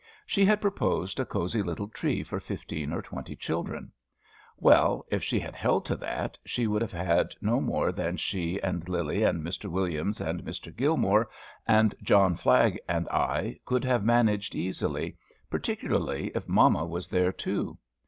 She had proposed a cosey little tree for fifteen or twenty children. Well, if she had held to that, she would have had no more than she and Lillie, and Mr. Williams, and Mr. Gilmore, and John Flagg, and I, could have managed easily, particularly if mamma was there too.